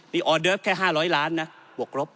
นี่ออเดิฟแค่๕๐๐ล้านนะบวกรบ